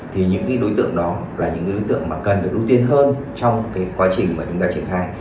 thì những đối tượng đó là những đối tượng mà cần được ưu tiên hơn trong cái quá trình mà chúng ta triển khai